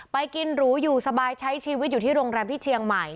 ไปกินหรูอยู่สบายใช้ชีวิตอยู่ที่โรงแรมที่เชียงใหม่